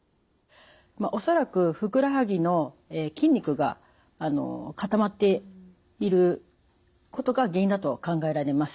恐らくふくらはぎの筋肉が固まっていることが原因だと考えられます。